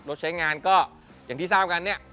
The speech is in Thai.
รถใช้งานก็อย่างที่ทราบกัน